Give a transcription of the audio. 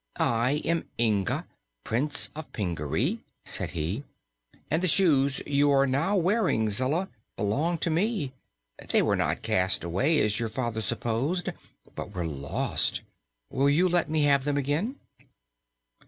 I am Inga, Prince of Pingaree," said he, "and the shoes you are now wearing, Zella, belong to me. They were not cast away, as your father supposed, but were lost. Will you let me have them again?"